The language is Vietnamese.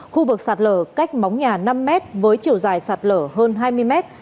khu vực sạt lở cách móng nhà năm mét với chiều dài sạt lở hơn hai mươi mét